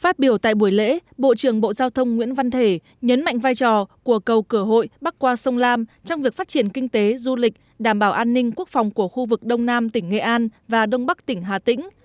phát biểu tại buổi lễ bộ trưởng bộ giao thông nguyễn văn thể nhấn mạnh vai trò của cầu cửa hội bắc qua sông lam trong việc phát triển kinh tế du lịch đảm bảo an ninh quốc phòng của khu vực đông nam tỉnh nghệ an và đông bắc tỉnh hà tĩnh